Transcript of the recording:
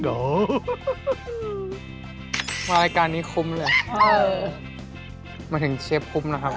เดี๋ยวมารายการนี้คุ้มเลยมาถึงเชฟคุ้มนะครับ